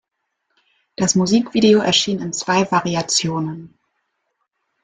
Das Musikvideo erschien in zwei Variationen.